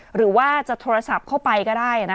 หรือว่าจะโทรศัพท์เข้าไปก็ได้